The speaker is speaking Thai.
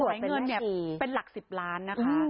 ภูไวเงินเนี่ยเป็นหลัก๑๐ล้านนะคะ